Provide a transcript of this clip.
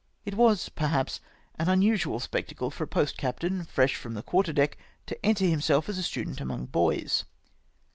It was, perhaps, an unusual spectacle for a post captain fresh from the quarter deck, to enter himself as a student among boys.